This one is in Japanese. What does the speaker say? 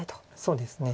そうですね。